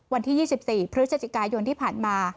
วันที่ยี่สิบสี่พฤษจจิกายนที่ผ่านมา